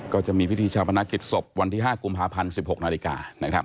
ก็จะมีพิธีชาวพนักกิจศพวันที่๕กุมภาพันธ์๑๖นาฬิกานะครับ